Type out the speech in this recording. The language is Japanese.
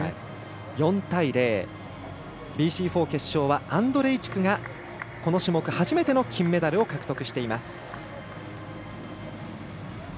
４対０、ＢＣ４決勝はアンドレイチクがこの種目初めての金メダルを獲得しています。